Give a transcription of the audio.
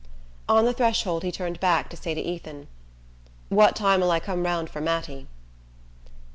On the threshold he turned back to say to Ethan: "What time'll I come round for Mattie?"